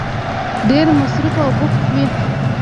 ډېر مصروف او بوخت وی